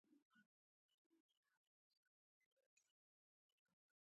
ښه پلورونکی له خبرو نه، له نیت نه پېژندل کېږي.